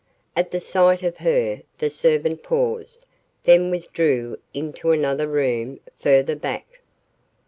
At the sight of her, the servant paused, then withdrew into another room further back.